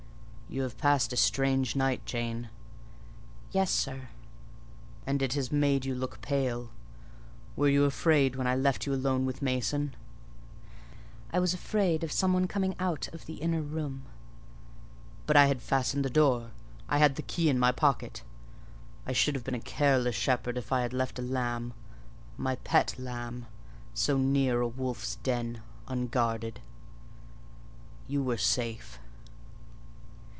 "You have passed a strange night, Jane." "Yes, sir." "And it has made you look pale—were you afraid when I left you alone with Mason?" "I was afraid of some one coming out of the inner room." "But I had fastened the door—I had the key in my pocket: I should have been a careless shepherd if I had left a lamb—my pet lamb—so near a wolf's den, unguarded: you were safe."